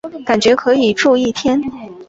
感觉可以住一天